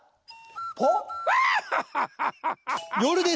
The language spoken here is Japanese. ポッ！